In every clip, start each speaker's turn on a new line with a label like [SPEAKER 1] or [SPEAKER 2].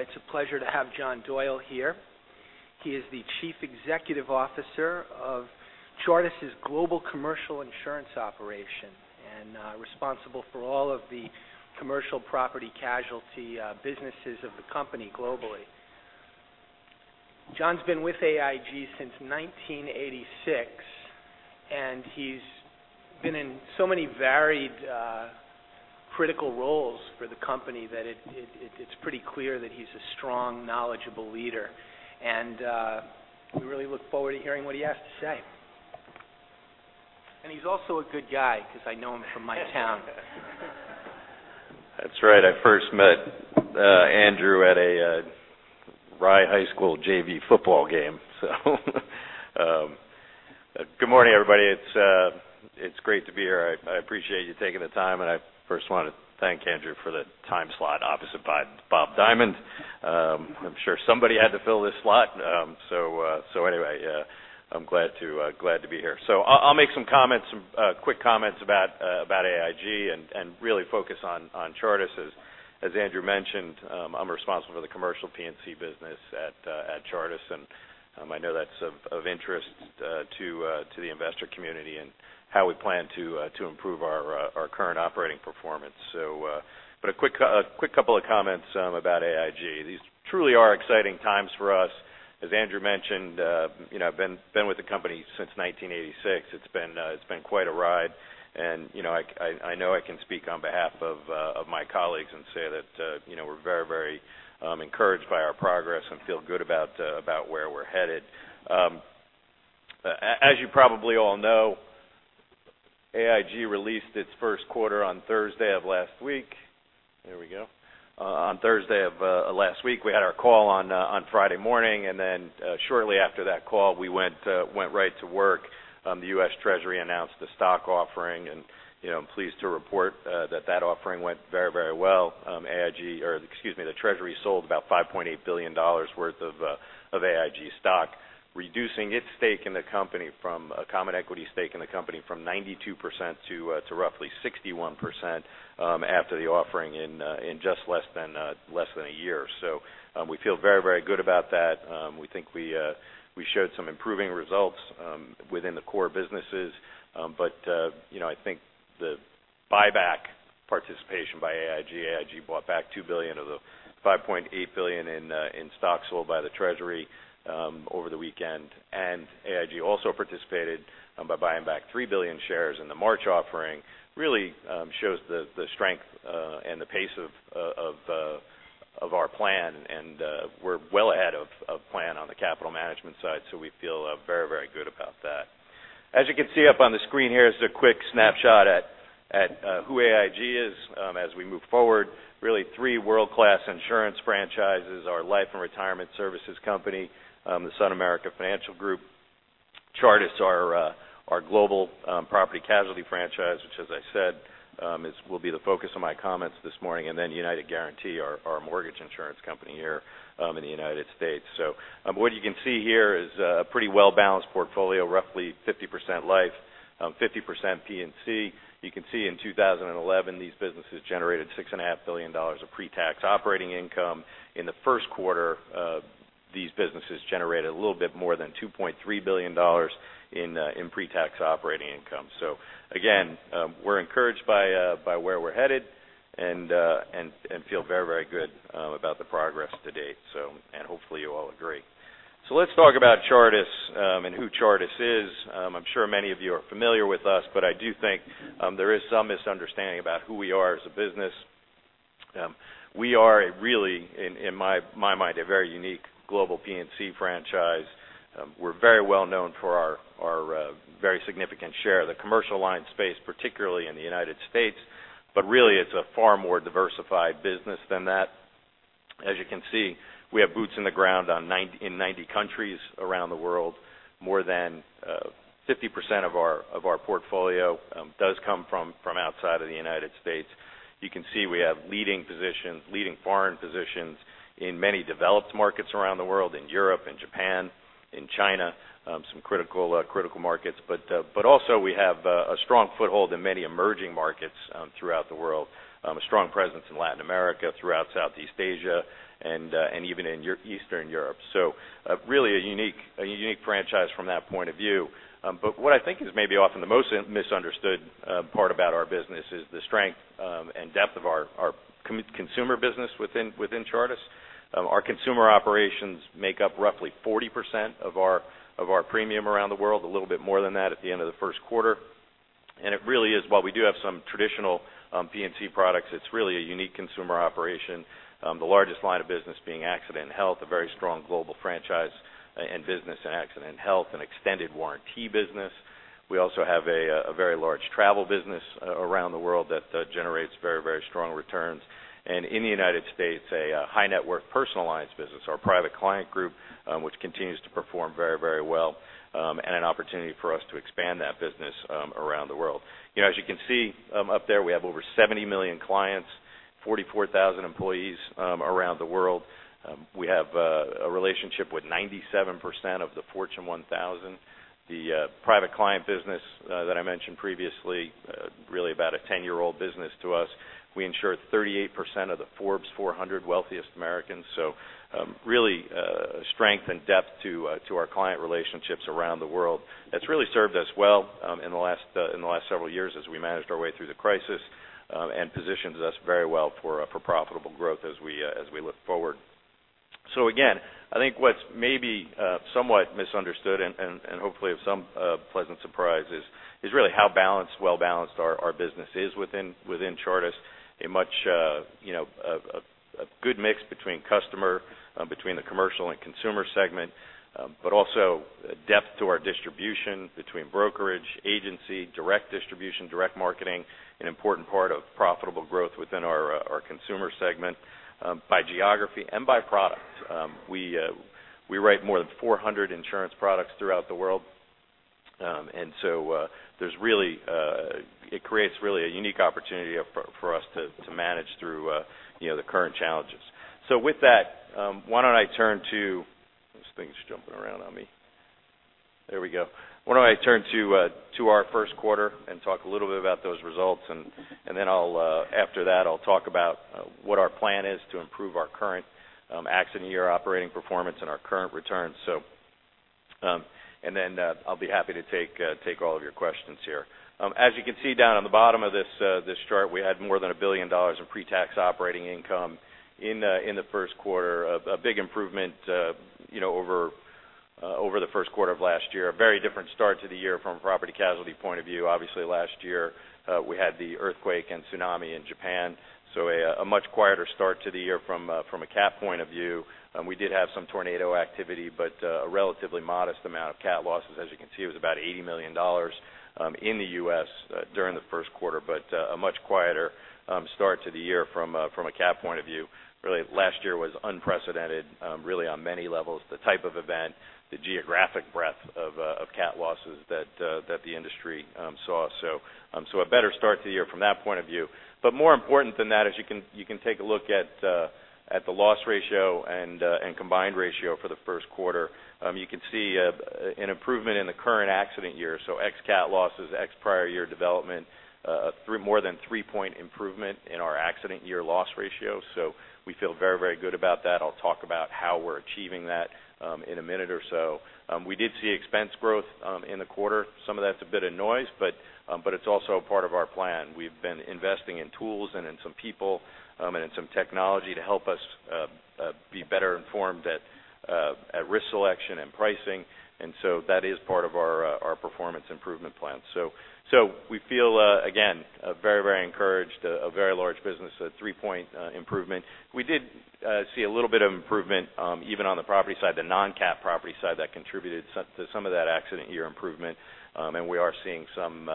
[SPEAKER 1] It's a pleasure to have John Doyle here. He is the Chief Executive Officer of Chartis' global commercial insurance operation, responsible for all of the commercial property casualty businesses of the company globally. John's been with AIG since 1986, he's been in so many varied critical roles for the company that it's pretty clear that he's a strong, knowledgeable leader. We really look forward to hearing what he has to say. He's also a good guy because I know him from my town.
[SPEAKER 2] That's right. I first met Andrew at a Rye High School JV football game. Good morning, everybody. It's great to be here. I appreciate you taking the time, I first want to thank Andrew for the time slot opposite Bob Diamond. I'm sure somebody had to fill this slot. Anyway, I'm glad to be here. I'll make some quick comments about AIG and really focus on Chartis. As Andrew mentioned, I'm responsible for the commercial P&C business at Chartis, I know that's of interest to the investor community and how we plan to improve our current operating performance. A quick couple of comments about AIG. These truly are exciting times for us. As Andrew mentioned, I've been with the company since 1986. It's been quite a ride, I know I can speak on behalf of my colleagues and say that we're very encouraged by our progress and feel good about where we're headed. As you probably all know, AIG released its first quarter on Thursday of last week. There we go. On Thursday of last week. We had our call on Friday morning, shortly after that call, we went right to work. The U.S. Treasury announced the stock offering, I'm pleased to report that offering went very well. The Treasury sold about $5.8 billion worth of AIG stock, reducing its common equity stake in the company from 92% to roughly 61% after the offering in just less than a year. We feel very good about that. We think we showed some improving results within the core businesses. I think the buyback participation by AIG bought back $2 billion of the $5.8 billion in stocks sold by the Treasury over the weekend. AIG also participated by buying back $3 billion of shares in the March offering, really shows the strength and the pace of our plan, we're well ahead of plan on the capital management side. We feel very good about that. As you can see up on the screen here is a quick snapshot at who AIG is as we move forward. Really three world-class insurance franchises, our life and retirement services company, the SunAmerica Financial Group, Chartis, our global property casualty franchise, which as I said, will be the focus of my comments this morning, United Guaranty, our mortgage insurance company here in the United States. What you can see here is a pretty well-balanced portfolio, roughly 50% life, 50% P&C. You can see in 2011, these businesses generated $6.5 billion of pre-tax operating income. In the first quarter, these businesses generated a little bit more than $2.3 billion in pre-tax operating income. Again, we're encouraged by where we're headed, and feel very good about the progress to date. Hopefully you all agree. Let's talk about Chartis and who Chartis is. I'm sure many of you are familiar with us, but I do think there is some misunderstanding about who we are as a business. We are really, in my mind, a very unique global P&C franchise. We're very well known for our very significant share of the commercial line space, particularly in the U.S. Really, it's a far more diversified business than that. As you can see, we have boots on the ground in 90 countries around the world. More than 50% of our portfolio does come from outside of the U.S. You can see we have leading foreign positions in many developed markets around the world, in Europe, in Japan, in China, some critical markets. Also we have a strong foothold in many emerging markets throughout the world, a strong presence in Latin America, throughout Southeast Asia, and even in Eastern Europe. Really a unique franchise from that point of view. What I think is maybe often the most misunderstood part about our business is the strength and depth of our consumer business within Chartis. Our consumer operations make up roughly 40% of our premium around the world, a little bit more than that at the end of the first quarter. While we do have some traditional P&C products, it's really a unique consumer operation. The largest line of business being accident and health, a very strong global franchise in business in accident and health and extended warranty business. We also have a very large travel business around the world that generates very strong returns. In the U.S., a high net worth personal lines business. Our Private Client Group, which continues to perform very well, and an opportunity for us to expand that business around the world. As you can see up there, we have over 70 million clients, 44,000 employees around the world. We have a relationship with 97% of the Fortune 1000. The Private Client Group that I mentioned previously is really about a 10-year-old business to us. We insure 38% of the Forbes 400 wealthiest Americans. This is really a strength and depth to our client relationships around the world. That's really served us well in the last several years as we managed our way through the crisis, and positions us very well for profitable growth as we look forward. Again, I think what's maybe somewhat misunderstood and hopefully of some pleasant surprise, is really how well-balanced our business is within Chartis. A good mix between consumer, between the commercial and consumer segment, but also depth to our distribution between brokerage, agency, direct distribution, direct marketing, an important part of profitable growth within our consumer segment, by geography and by product. We write more than 400 insurance products throughout the world. It creates really a unique opportunity for us to manage through the current challenges. With that, why don't I turn to. Why don't I turn to our first quarter and talk a little bit about those results, then after that, I'll talk about what our plan is to improve our current accident year operating performance and our current returns. Then I'll be happy to take all of your questions here. As you can see down on the bottom of this chart, we had more than $1 billion in pre-tax operating income in the first quarter. A big improvement over the first quarter of last year. A very different start to the year from a property casualty point of view. Obviously, last year we had the earthquake and tsunami in Japan, a much quieter start to the year from a cat point of view. We did have some tornado activity, a relatively modest amount of cat losses, as you can see, it was about $80 million in the U.S. during the first quarter, a much quieter start to the year from a cat point of view. Really, last year was unprecedented, really on many levels, the type of event, the geographic breadth of cat losses that the industry saw. A better start to the year from that point of view. More important than that is you can take a look at the loss ratio and combined ratio for the first quarter. You can see an improvement in the current accident year, ex cat losses, ex prior year development, a more than three-point improvement in our accident year loss ratio. We feel very good about that. I'll talk about how we're achieving that in a minute or so. We did see expense growth in the quarter. Some of that's a bit of noise, it's also a part of our plan. We've been investing in tools and in some people, and in some technology to help us be better informed at risk selection and pricing, that is part of our performance improvement plan. We feel, again, very encouraged, a very large business, a three-point improvement. We did see a little bit of improvement even on the property side, the non-cat property side that contributed to some of that accident year improvement. We are seeing some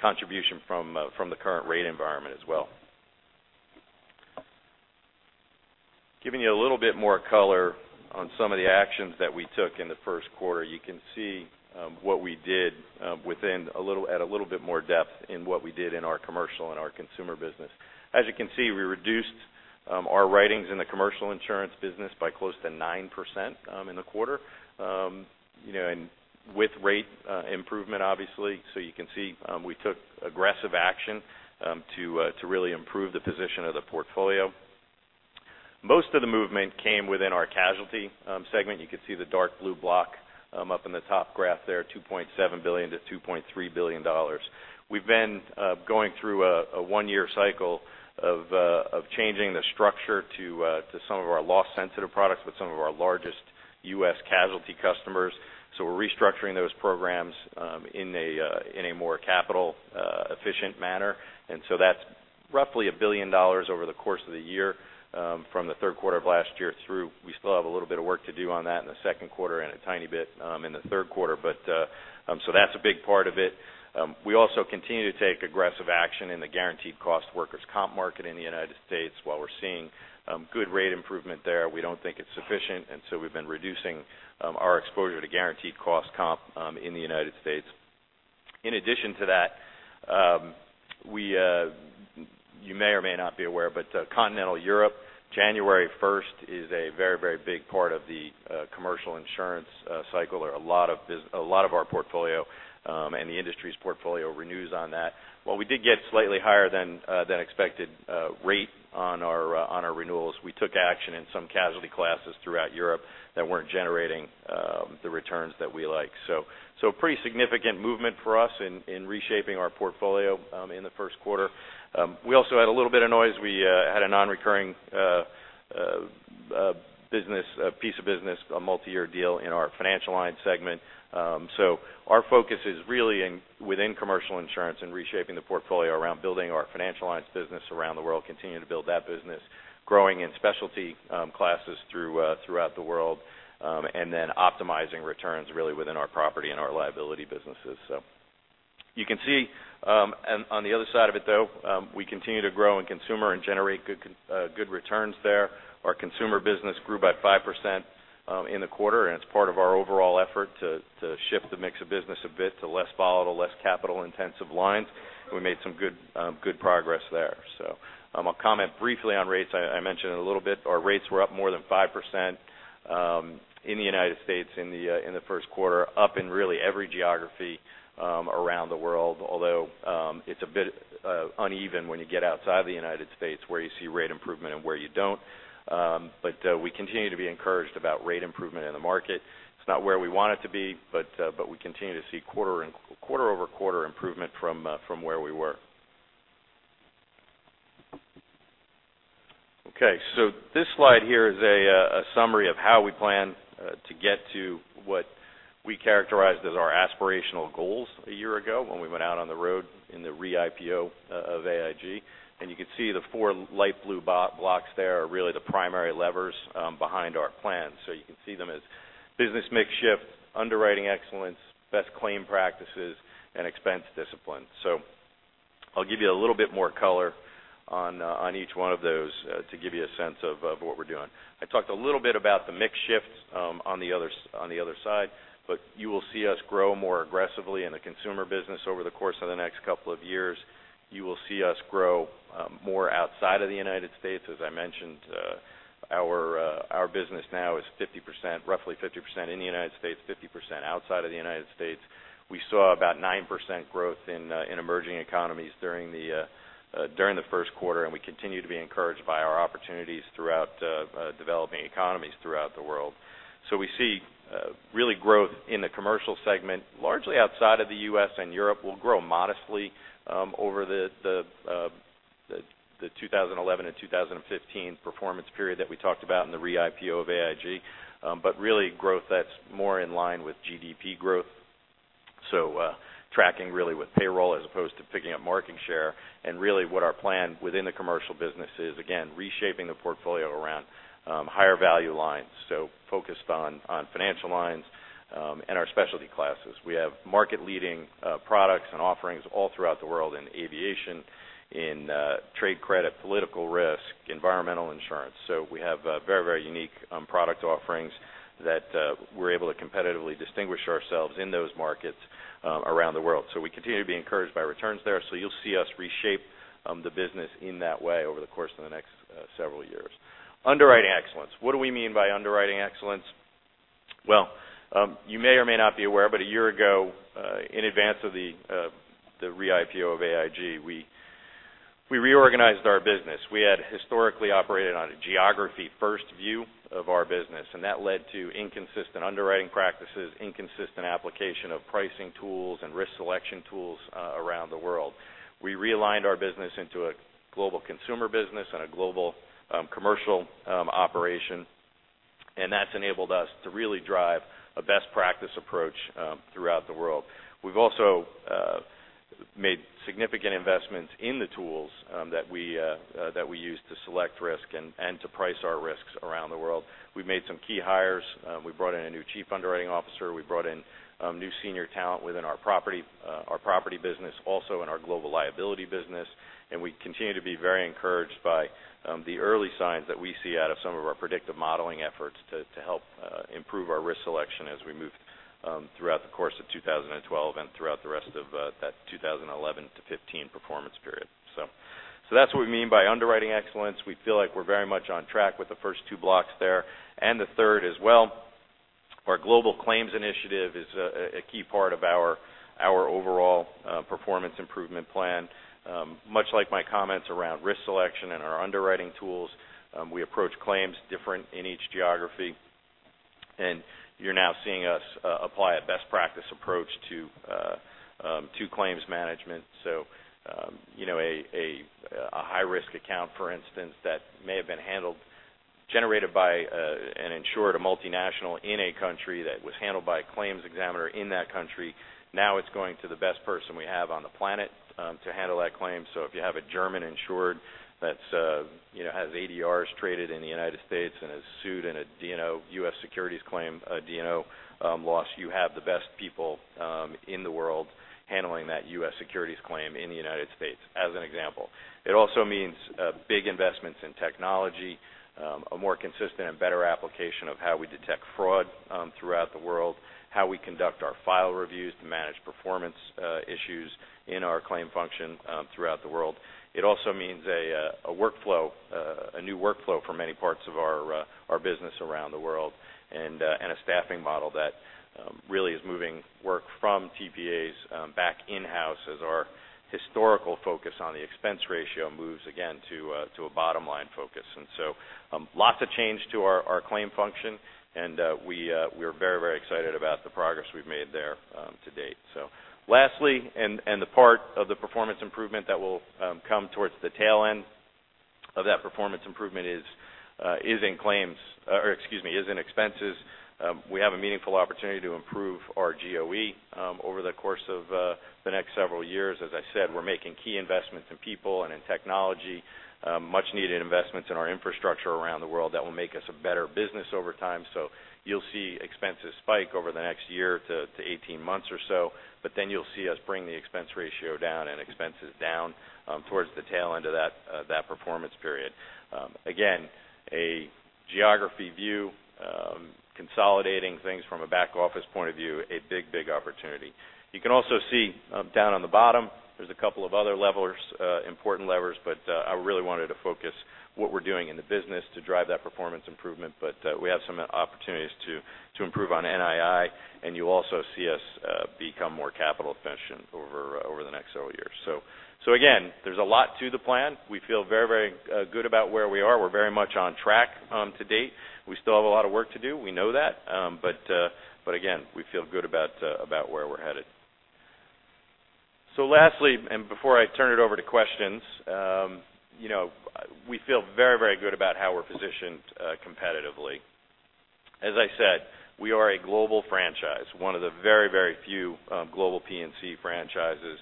[SPEAKER 2] contribution from the current rate environment as well. Giving you a little bit more color on some of the actions that we took in the first quarter. You can see what we did at a little bit more depth in what we did in our commercial and our consumer business. As you can see, we reduced our writings in the commercial insurance business by close to 9% in the quarter, with rate improvement, obviously. You can see, we took aggressive action to really improve the position of the portfolio. Most of the movement came within our casualty segment. You can see the dark blue block up in the top graph there, $2.7 billion-$2.3 billion. We've been going through a one-year cycle of changing the structure to some of our loss-sensitive products with some of our largest U.S. casualty customers. We're restructuring those programs in a more capital efficient manner. That's roughly $1 billion over the course of the year from the third quarter of last year through. We still have a little bit of work to do on that in the second quarter and a tiny bit in the third quarter. That's a big part of it. We also continue to take aggressive action in the guaranteed cost workers' comp market in the U.S. While we're seeing good rate improvement there, we don't think it's sufficient, and we've been reducing our exposure to guaranteed cost comp in the U.S. In addition to that, you may or may not be aware, but Continental Europe, January 1st is a very big part of the commercial insurance cycle. A lot of our portfolio and the industry's portfolio renews on that. While we did get slightly higher than expected rate on our renewals, we took action in some casualty classes throughout Europe that weren't generating the returns that we like. Pretty significant movement for us in reshaping our portfolio in the first quarter. We also had a little bit of noise. We had a non-recurring piece of business, a multi-year deal in our financial lines segment. Our focus is really within commercial insurance and reshaping the portfolio around building our financial lines business around the world, continuing to build that business, growing in specialty classes throughout the world, and then optimizing returns really within our property and our liability businesses. You can see on the other side of it, though, we continue to grow in consumer and generate good returns there. Our consumer business grew by 5% in the quarter, and it's part of our overall effort to shift the mix of business a bit to less volatile, less capital intensive lines. We made some good progress there. I'm going to comment briefly on rates. I mentioned it a little bit. Our rates were up more than 5% in the U.S. in the first quarter, up in really every geography around the world. Although, it's a bit uneven when you get outside the U.S. where you see rate improvement and where you don't. We continue to be encouraged about rate improvement in the market. It's not where we want it to be, but we continue to see quarter-over-quarter improvement from where we were. This slide here is a summary of how we plan to get to what we characterized as our aspirational goals a year ago when we went out on the road in the re-IPO of AIG. You can see the four light blue blocks there are really the primary levers behind our plan. You can see them as business mix shift, underwriting excellence, best claims practices, and expense discipline. I'll give you a little bit more color on each one of those to give you a sense of what we're doing. I talked a little bit about the mix shift on the other side, you will see us grow more aggressively in the consumer business over the course of the next couple of years. You will see us grow more outside of the U.S. As I mentioned, our business now is roughly 50% in the U.S., 50% outside of the U.S. We saw about 9% growth in emerging economies during the first quarter, and we continue to be encouraged by our opportunities throughout developing economies throughout the world. We see really growth in the commercial segment, largely outside of the U.S., and Europe will grow modestly over the 2011 and 2015 performance period that we talked about in the re-IPO of AIG. Really growth that's more in line with GDP growth. Tracking really with payroll as opposed to picking up market share and really what our plan within the commercial business is, again, reshaping the portfolio around higher value lines, focused on financial lines, and our specialty classes. We have market leading products and offerings all throughout the world in aviation, in trade credit insurance, political risk insurance, environmental insurance. We have very unique product offerings that we're able to competitively distinguish ourselves in those markets around the world. We continue to be encouraged by returns there. You'll see us reshape the business in that way over the course of the next several years. Underwriting excellence. What do we mean by underwriting excellence? Well, you may or may not be aware, but a year ago, in advance of the re-IPO of AIG, we reorganized our business. We had historically operated on a geography first view of our business, and that led to inconsistent underwriting practices, inconsistent application of pricing tools and risk selection tools around the world. We realigned our business into a global consumer business and a global commercial operation, and that's enabled us to really drive a best practice approach throughout the world. We've also made significant investments in the tools that we use to select risk and to price our risks around the world. We've made some key hires. We brought in a new Chief Underwriting Officer. We brought in new senior talent within our property business, also in our global liability business, and we continue to be very encouraged by the early signs that we see out of some of our predictive modeling efforts to help improve our risk selection as we move throughout the course of 2012 and throughout the rest of that 2011 to 2015 performance period. That's what we mean by underwriting excellence. We feel like we're very much on track with the first two blocks there and the third as well. Our global claims initiative is a key part of our overall performance improvement plan. Much like my comments around risk selection and our underwriting tools, we approach claims different in each geography, and you're now seeing us apply a best practice approach to claims management. A high risk account, for instance, that may have been handled, generated by an insured, a multinational in a country that was handled by a claims examiner in that country. Now it's going to the best person we have on the planet to handle that claim. If you have a German insured that has ADRs traded in the United States and is sued in a D&O U.S. securities claim, a D&O loss, you have the best people in the world handling that U.S. securities claim in the United States, as an example. It also means big investments in technology, a more consistent and better application of how we detect fraud throughout the world, how we conduct our file reviews to manage performance issues in our claim function throughout the world. It also means a new workflow for many parts of our business around the world and a staffing model that really is moving work from TPAs back in-house as our historical focus on the expense ratio moves again to a bottom line focus. Lots of change to our claim function and we are very excited about the progress we've made there to date. Lastly, the part of the performance improvement that will come towards the tail end of that performance improvement is in claims, or excuse me, is in expenses. We have a meaningful opportunity to improve our GOE over the course of the next several years. As I said, we're making key investments in people and in technology, much needed investments in our infrastructure around the world that will make us a better business over time. You'll see expenses spike over the next year to 18 months or so, then you'll see us bring the expense ratio down and expenses down towards the tail end of that performance period. Again, a geography view. Consolidating things from a back office point of view, a big opportunity. You can also see down on the bottom, there's a couple of other important levers, but I really wanted to focus what we're doing in the business to drive that performance improvement. We have some opportunities to improve on NII, and you'll also see us become more capital efficient over the next several years. Again, there's a lot to the plan. We feel very good about where we are. We're very much on track to date. We still have a lot of work to do. We know that. Again, we feel good about where we're headed. Lastly, before I turn it over to questions, we feel very good about how we're positioned competitively. As I said, we are a global franchise, one of the very few global P&C franchises.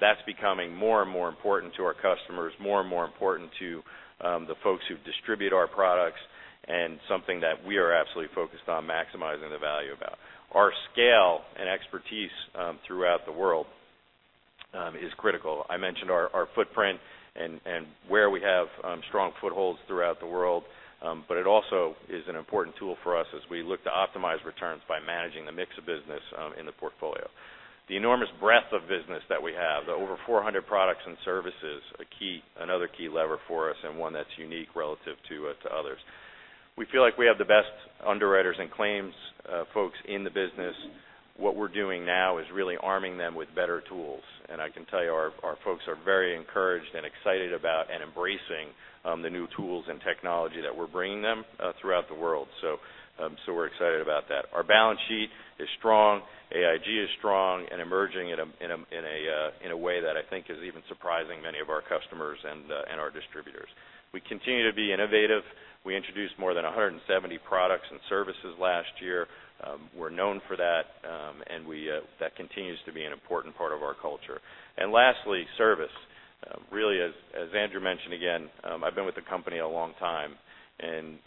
[SPEAKER 2] That's becoming more and more important to our customers, more and more important to the folks who distribute our products, and something that we are absolutely focused on maximizing the value about. Our scale and expertise throughout the world is critical. I mentioned our footprint and where we have strong footholds throughout the world. It also is an important tool for us as we look to optimize returns by managing the mix of business in the portfolio. The enormous breadth of business that we have, the over 400 products and services, another key lever for us and one that's unique relative to others. We feel like we have the best underwriters and claims folks in the business. What we're doing now is really arming them with better tools. I can tell you, our folks are very encouraged and excited about, and embracing the new tools and technology that we're bringing them throughout the world. We're excited about that. Our balance sheet is strong. AIG is strong and emerging in a way that I think is even surprising many of our customers and our distributors. We continue to be innovative. We introduced more than 170 products and services last year. We're known for that, and that continues to be an important part of our culture. Lastly, service. Really, as Andrew mentioned, again, I've been with the company a long time, and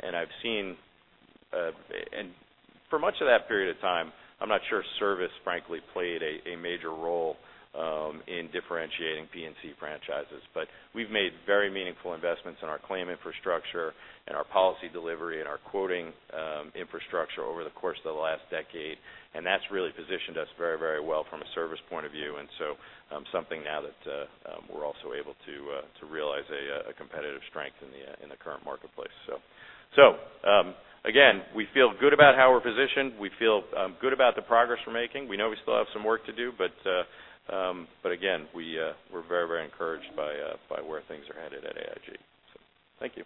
[SPEAKER 2] for much of that period of time, I'm not sure service frankly played a major role in differentiating P&C franchises. We've made very meaningful investments in our claim infrastructure and our policy delivery and our quoting infrastructure over the course of the last decade, and that's really positioned us very well from a service point of view. Something now that we're also able to realize a competitive strength in the current marketplace. Again, we feel good about how we're positioned. We feel good about the progress we're making. We know we still have some work to do, but again, we're very encouraged by where things are headed at AIG. Thank you.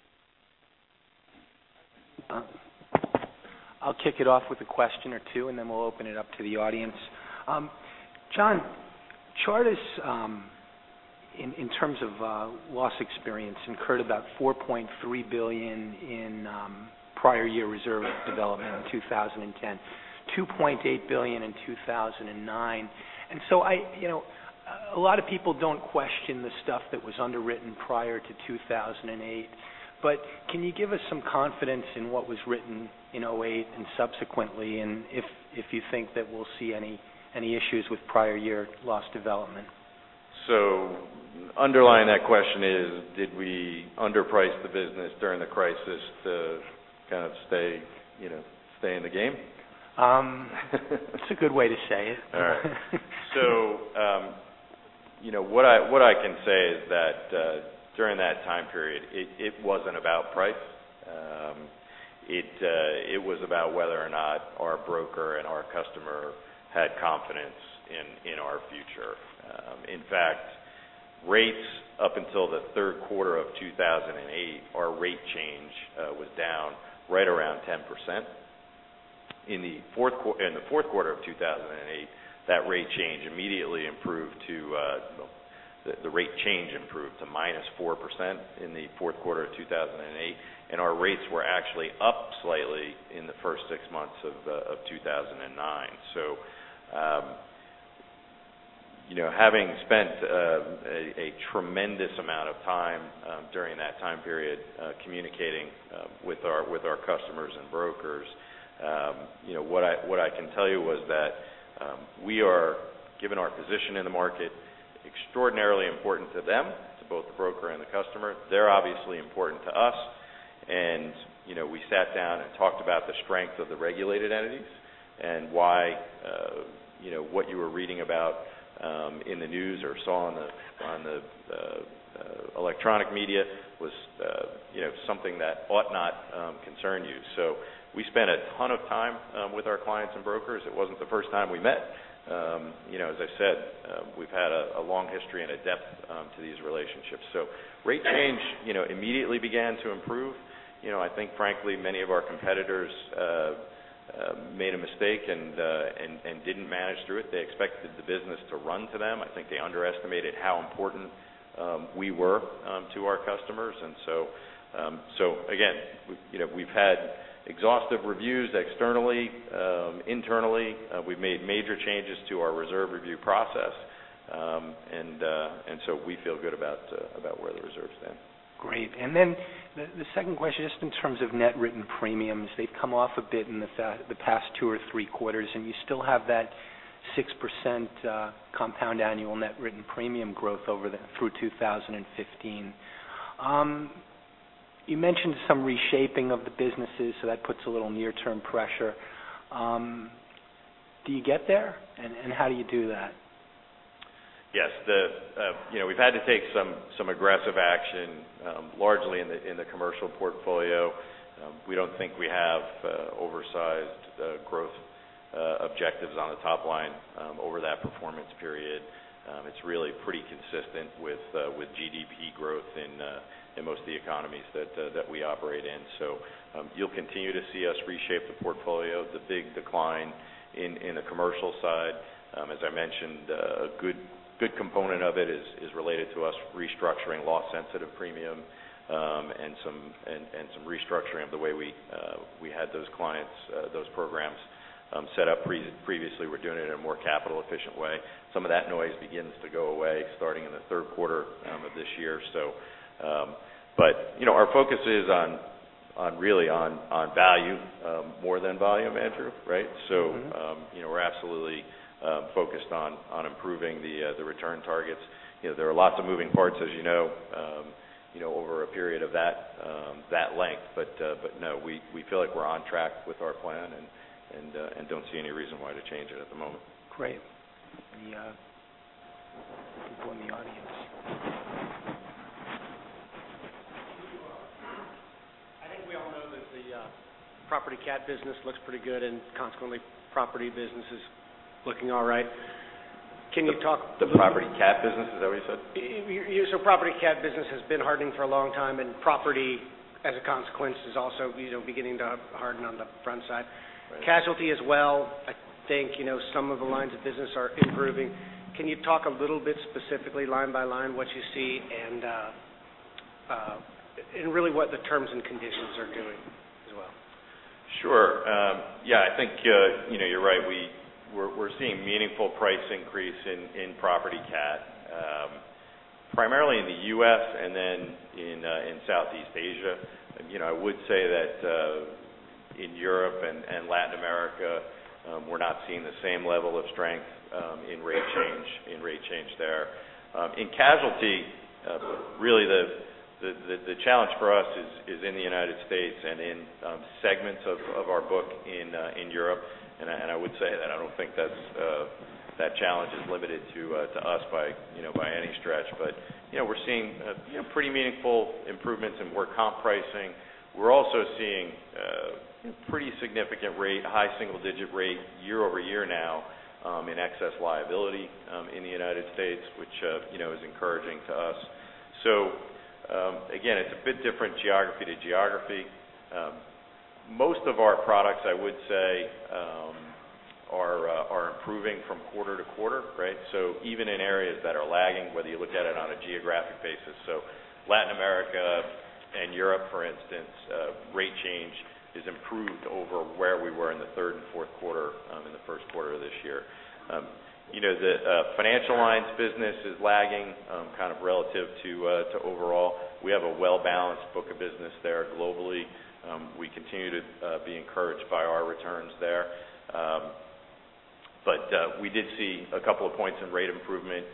[SPEAKER 1] I'll kick it off with a question or two, and then we'll open it up to the audience. John, Chartis, in terms of loss experience, incurred about $4.3 billion in prior year reserve development in 2010, $2.8 billion in 2009. A lot of people don't question the stuff that was underwritten prior to 2008. Can you give us some confidence in what was written in 2008 and subsequently, and if you think that we'll see any issues with prior year loss development?
[SPEAKER 2] Underlying that question is, did we underprice the business during the crisis to kind of stay in the game?
[SPEAKER 1] That's a good way to say it.
[SPEAKER 2] What I can say is that during that time period, it wasn't about price. It was about whether or not our broker and our consumer had confidence in our future. In fact, rates up until the third quarter of 2008, our rate change was down right around 10%. In the fourth quarter of 2008, the rate change improved to minus 4% in the fourth quarter of 2008, and our rates were actually up slightly in the first six months of 2009. Having spent a tremendous amount of time during that time period communicating with our customers and brokers, what I can tell you was that we are, given our position in the market, extraordinarily important to them, to both the broker and the consumer. They're obviously important to us. We sat down and talked about the strength of the regulated entities and why what you were reading about in the news or saw on the electronic media was something that ought not concern you. We spent a ton of time with our clients and brokers. It wasn't the first time we met. As I said, we've had a long history and a depth to these relationships. Rate change immediately began to improve. I think frankly, many of our competitors made a mistake and didn't manage through it. They expected the business to run to them. I think they underestimated how important we were to our customers. Again, we've had exhaustive reviews externally, internally. We've made major changes to our reserve review process. We feel good about where the reserves stand.
[SPEAKER 1] Great. The second question, just in terms of net written premiums, they've come off a bit in the past two or three quarters. You still have that 6% compound annual net written premium growth through 2015. You mentioned some reshaping of the businesses, that puts a little near-term pressure. Do you get there? How do you do that?
[SPEAKER 2] Yes. We've had to take some aggressive action, largely in the commercial portfolio. We don't think we have oversized growth objectives on the top line over that performance period. It's really pretty consistent with GDP growth in most of the economies that we operate in. You'll continue to see us reshape the portfolio. The big decline in the commercial side, as I mentioned, a good component of it is related to us restructuring loss-sensitive premium, and some restructuring of the way we had those programs set up previously. We're doing it in a more capital efficient way. Some of that noise begins to go away starting in the third quarter of this year. Our focus is really on value more than volume, Andrew. Right? We're absolutely focused on improving the return targets. There are lots of moving parts, as you know, over a period of that length. No, we feel like we're on track with our plan, and don't see any reason why to change it at the moment.
[SPEAKER 1] Great. Any people in the audience?
[SPEAKER 3] I think we all know that the Property Catastrophe business looks pretty good and consequently, property business is looking all right. Can you talk?
[SPEAKER 2] The Property Catastrophe business, is that what you said?
[SPEAKER 3] Yeah. Property catastrophe business has been hardening for a long time, and property, as a consequence, is also beginning to harden on the front side.
[SPEAKER 2] Right.
[SPEAKER 3] Casualty as well. I think some of the lines of business are improving. Can you talk a little bit specifically line by line what you see and really what the terms and conditions are doing as well?
[SPEAKER 2] Sure. Yeah, I think you're right. We're seeing meaningful price increase in property catastrophe, primarily in the U.S. and then in Southeast Asia. I would say that in Europe and Latin America, we're not seeing the same level of strength in rate change there. In casualty, really the challenge for us is in the United States and in segments of our book in Europe. I would say that I don't think that challenge is limited to us by any stretch. We're seeing pretty meaningful improvements in work comp pricing. We're also seeing pretty significant rate, high single-digit rate, year-over-year now in excess liability in the United States which is encouraging to us. Again, it's a bit different geography to geography. Most of our products, I would say, are improving from quarter to quarter. Even in areas that are lagging, whether you look at it on a geographic basis. Latin America and Europe, for instance, rate change has improved over where we were in the third and fourth quarter in the first quarter of this year. The financial lines business is lagging kind of relative to overall. We have a well-balanced book of business there globally. We continue to be encouraged by our returns there. We did see a couple of points in rate improvement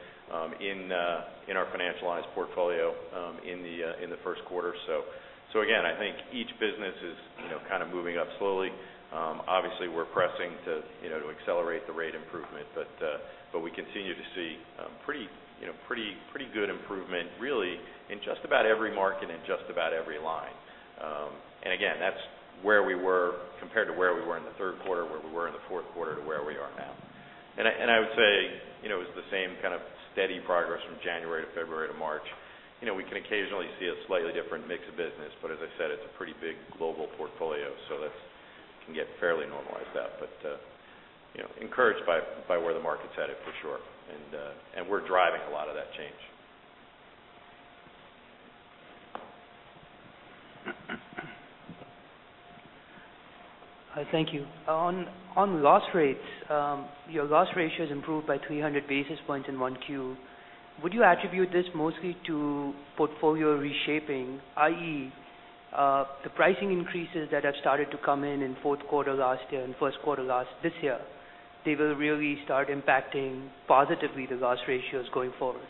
[SPEAKER 2] in our financial lines portfolio in the first quarter. Again, I think each business is kind of moving up slowly. Obviously, we're pressing to accelerate the rate improvement. We continue to see pretty good improvement really in just about every market and just about every line. That's where we were compared to where we were in the third quarter, where we were in the fourth quarter to where we are now. I would say it's the same kind of steady progress from January to February to March. We can occasionally see a slightly different mix of business, but as I said, it's a pretty big global portfolio, so that can get fairly normalized out. Encouraged by where the market's headed, for sure. We're driving a lot of that change.
[SPEAKER 3] Hi, thank you. On loss rates, your loss ratio has improved by 300 basis points in 1Q. Would you attribute this mostly to portfolio reshaping, i.e., the pricing increases that have started to come in in fourth quarter last year and first quarter this year, they will really start impacting positively the loss ratios going forward?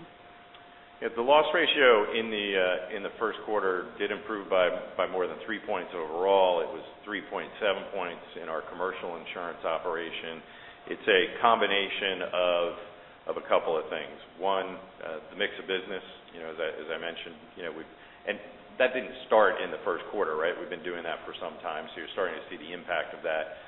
[SPEAKER 2] Yeah. The loss ratio in the first quarter did improve by more than three points overall. It was 3.7 points in our commercial insurance operation. It's a combination of a couple of things. One, the mix of business as I mentioned. That didn't start in the first quarter, right? We've been doing that for some time. You're starting to see the impact of that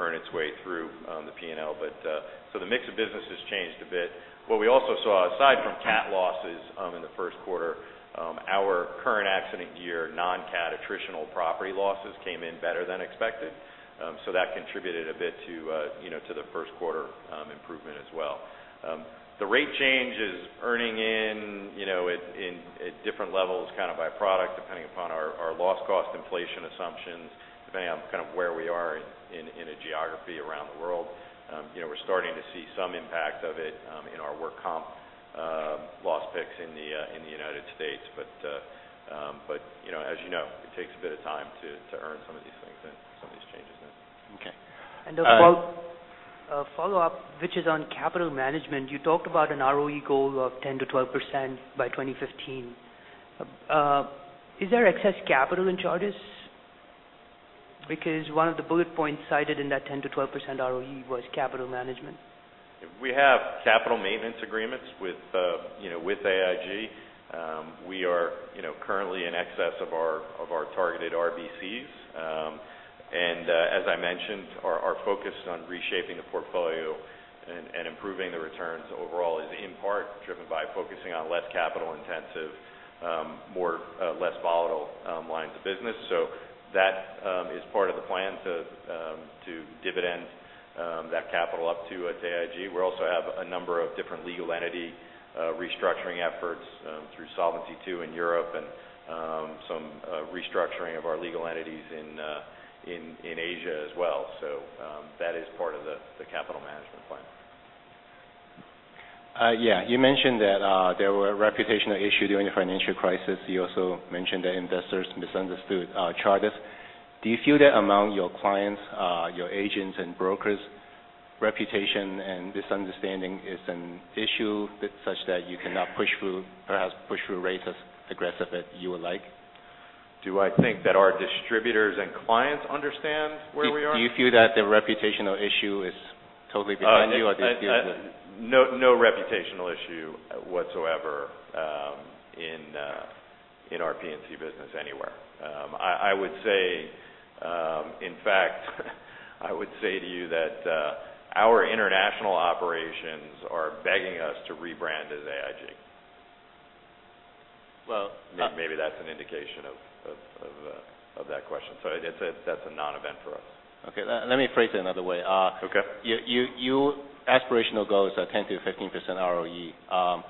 [SPEAKER 2] earn its way through the P&L. The mix of business has changed a bit. What we also saw, aside from cat losses in the first quarter, our current accident year non-cat attritional property losses came in better than expected. That contributed a bit to the first quarter improvement as well. The rate change is earning in at different levels, kind of by product, depending upon our loss cost inflation assumptions, depending on kind of where we are in a geography around the world. We're starting to see some of it in our work comp loss picks in the U.S. As you know, it takes a bit of time to earn some of these things and some of these changes in.
[SPEAKER 3] Okay. A follow-up, which is on capital management. You talked about an ROE goal of 10%-12% by 2015. Is there excess capital in Chartis? One of the bullet points cited in that 10%-12% ROE was capital management.
[SPEAKER 2] We have capital maintenance agreements with AIG. We are currently in excess of our targeted RBCs. As I mentioned, our focus on reshaping the portfolio and improving the returns overall is in part driven by focusing on less capital-intensive, less volatile lines of business. That is part of the plan to dividend that capital up to at AIG. We also have a number of different legal entity restructuring efforts through Solvency II in Europe and some restructuring of our legal entities in Asia as well. That is part of the capital management plan.
[SPEAKER 3] Yeah. You mentioned that there were reputational issue during the financial crisis. You also mentioned that investors misunderstood Chartis. Do you feel that among your clients, your agents and brokers, reputation and misunderstanding is an issue such that you cannot perhaps push through rates as aggressive as you would like?
[SPEAKER 2] Do I think that our distributors and clients understand where we are?
[SPEAKER 3] Do you feel that the reputational issue is totally behind you, or do you feel that?
[SPEAKER 2] No reputational issue whatsoever in our P&C business anywhere. In fact, I would say to you that our international operations are begging us to rebrand as AIG.
[SPEAKER 3] Well-
[SPEAKER 2] Maybe that's an indication of that question. That's a non-event for us.
[SPEAKER 3] Okay. Let me phrase it another way.
[SPEAKER 2] Okay.
[SPEAKER 3] Your aspirational goals are 10%-12% ROE.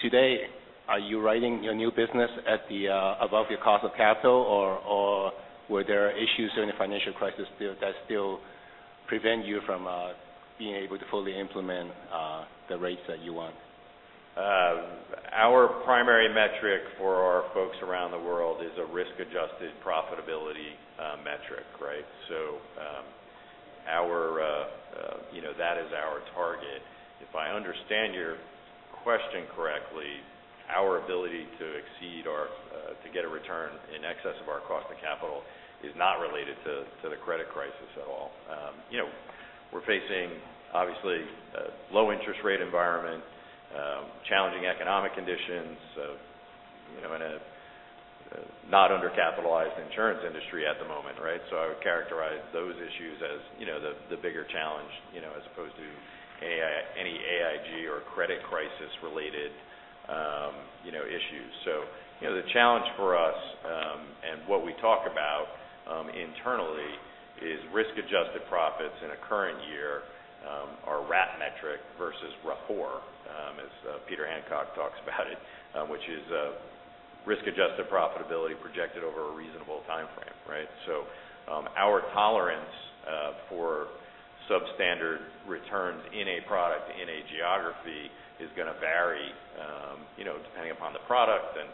[SPEAKER 3] Today, are you writing your new business above your cost of capital, or were there issues during the financial crisis that still prevent you from being able to fully implement the rates that you want?
[SPEAKER 2] Our primary metric for our folks around the world is a risk-adjusted profitability metric. That is our target. If I understand your question correctly, our ability to exceed or to get a return in excess of our cost of capital is not related to the credit crisis at all. We're facing, obviously, a low interest rate environment, challenging economic conditions, in a not under-capitalized insurance industry at the moment. I would characterize those issues as the bigger challenge as opposed to any AIG or credit crisis related issues. The challenge for us, and what we talk about internally, is risk-adjusted profits in a current year, our RAT metric versus RAP, as Peter Hancock talks about it, which is risk-adjusted profitability projected over a reasonable timeframe. Our tolerance for substandard returns in a product in a geography is going to vary depending upon the product and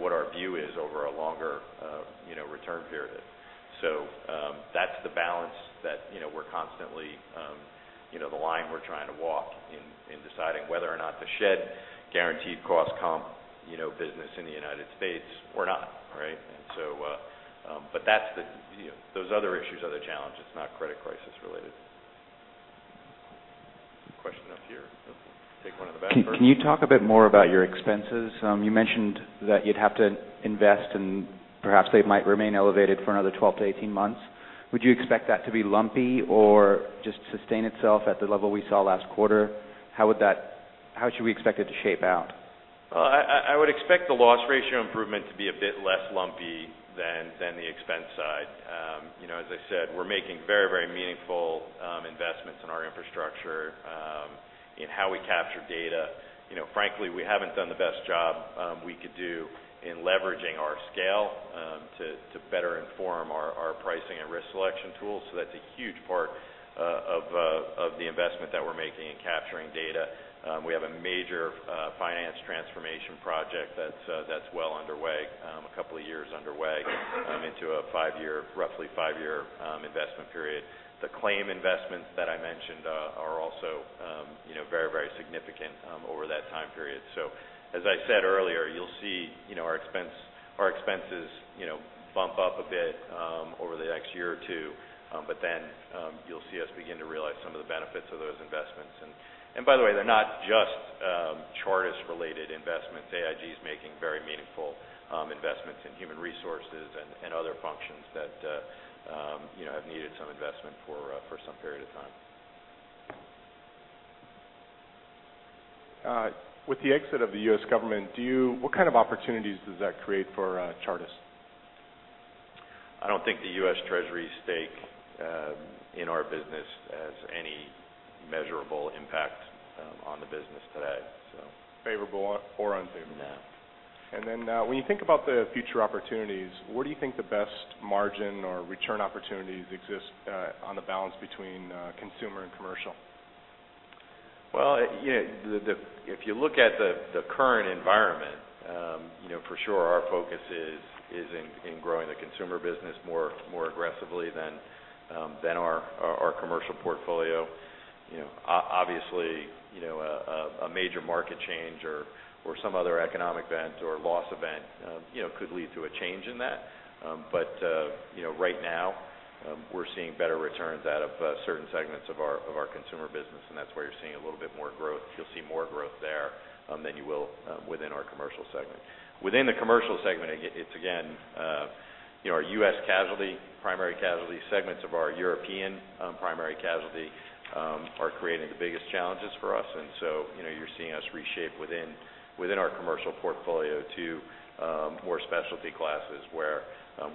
[SPEAKER 2] what our view is over a longer return period. That's the balance that we're constantly the line we're trying to walk in deciding whether or not to shed guaranteed cost comp business in the United States or not. Those other issues are the challenge. It's not credit crisis related. Question up here. Let's take one in the back first.
[SPEAKER 3] Can you talk a bit more about your expenses? You mentioned that you'd have to invest, and perhaps they might remain elevated for another 12-18 months. Would you expect that to be lumpy or just sustain itself at the level we saw last quarter? How should we expect it to shape out?
[SPEAKER 2] I would expect the loss ratio improvement to be a bit less lumpy than the expense side. As I said, we're making very meaningful investments in our infrastructure in how we capture data. Frankly, we haven't done the best job we could do in leveraging our scale to better inform our pricing and risk selection tools. That's a huge part of the investment that we're making in capturing data. We have a major finance transformation project that's well underway, a couple of years underway into a roughly five-year investment period. The claim investments that I mentioned are also very significant over that time period. As I said earlier, you'll see our expenses bump up a bit over the next year or two. You'll see us begin to realize some of the benefits of those investments. By the way, they're not just Chartis related investments. AIG is making very meaningful investments in human resources and other functions that have needed some investment for some period of time.
[SPEAKER 3] With the exit of the U.S. government, what kind of opportunities does that create for Chartis?
[SPEAKER 2] I don't think the U.S. Treasury stake in our business has any measurable impact on the business today.
[SPEAKER 3] Favorable or unfavorable? When you think about the future opportunities, where do you think the best margin or return opportunities exist on the balance between consumer and commercial?
[SPEAKER 2] Well, if you look at the current environment, for sure our focus is in growing the consumer business more aggressively than our commercial portfolio. Obviously, a major market change or some other economic event or loss event could lead to a change in that. Right now, we're seeing better returns out of certain segments of our consumer business, and that's why you're seeing a little bit more growth. You'll see more growth there than you will within our commercial segment. Within the commercial segment, it's again, our U.S. casualty, primary casualty segments of our European primary casualty are creating the biggest challenges for us. You're seeing us reshape within our commercial portfolio to more specialty classes, where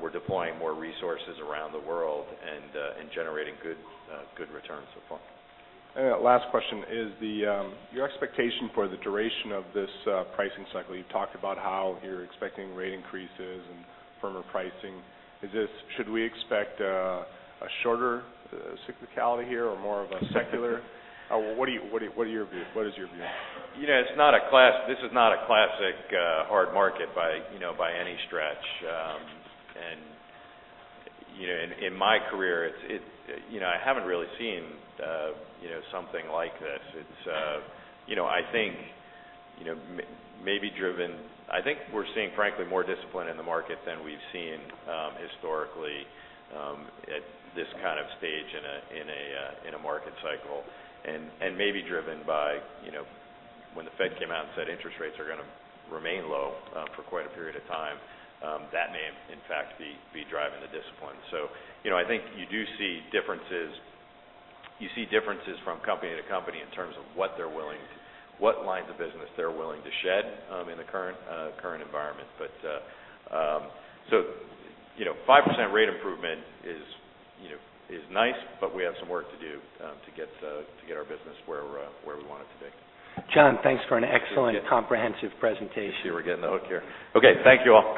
[SPEAKER 2] we're deploying more resources around the world and generating good returns so far.
[SPEAKER 3] Last question. Your expectation for the duration of this pricing cycle, you've talked about how you're expecting rate increases and firmer pricing. Should we expect a shorter cyclicality here or more of a secular? What is your view?
[SPEAKER 2] This is not a classic hard market by any stretch. In my career, I haven't really seen something like this. I think we're seeing, frankly, more discipline in the market than we've seen historically at this kind of stage in a market cycle. Maybe driven by when the Fed came out and said interest rates are going to remain low for quite a period of time. That may, in fact, be driving the discipline. I think you do see differences from company to company in terms of what lines of business they're willing to shed in the current environment. 5% rate improvement is nice, but we have some work to do to get our business where we want it to be.
[SPEAKER 1] John, thanks for an excellent comprehensive presentation.
[SPEAKER 2] Sure we're getting the hook here. Okay, thank you all.